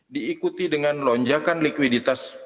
diikuti dengan lonjakan likuiditas